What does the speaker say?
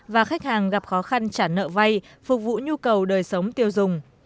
và khách hàng gặp khó khăn trả nợ vay phục vụ nhu cầu đời sống tiêu dùng